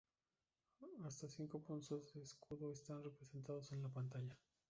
Hasta cinco puntos de escudo están representados en la pantalla.